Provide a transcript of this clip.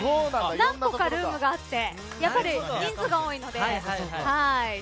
何個かルームがあって人数が多いので。